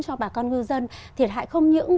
cho bà con ngư dân thiệt hại không những